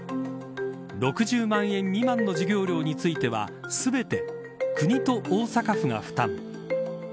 ６０万円未満の授業料については全て国と大阪府が負担。